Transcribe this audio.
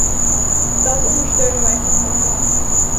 Dat ondersteunen wij van harte.